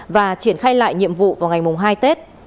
và triển khai lại nhiệm vụ vào ngày hai tết